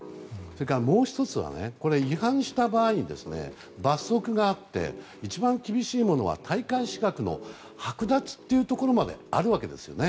もう１つは違反した場合に罰則があって一番厳しいものは大会資格のはく奪というところまであるわけですね。